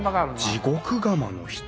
地獄釜の人